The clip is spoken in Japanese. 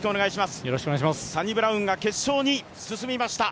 サニブラウンが決勝に進みました。